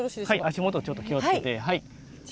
足元ちょっと気を付けてはい。